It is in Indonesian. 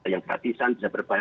yang gratisan bisa berbayar